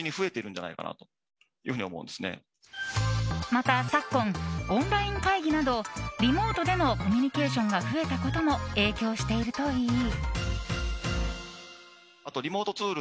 また、昨今オンライン会議などリモートでのコミュニケーションが増えたことも影響しているといい。